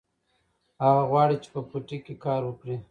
هغه غواړي چې په پټي کې کار وکړي.